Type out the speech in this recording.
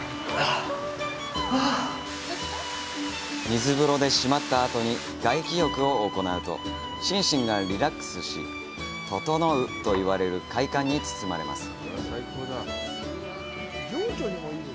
水風呂で締まったあとに外気浴を行うと心身がリラックスし「ととのう」といわれる快感に包まれます。